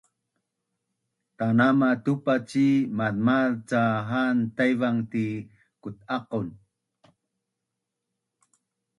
Tanama tupa ci mazmaz ca han Taivang ti kut’aqon?